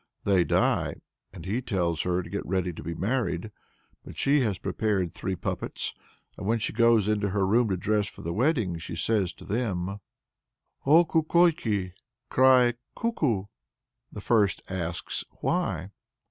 They die, and he tells her to get ready to be married. But she has prepared three puppets, and when she goes into her room to dress for the wedding, she says to them: "O Kukolki, (cry) Kuku!" The first asks, "Why?"